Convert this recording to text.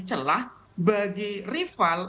celah bagi rival